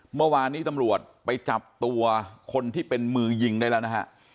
เมื่อวานนี้ตำรวจไปจับตัวคนที่เป็นมือยิงได้แล้วนะฮะ